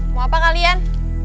mau apa kalian